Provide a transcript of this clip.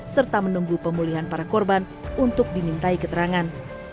serta menunggu pemulihan para korban untuk dimintai keterangan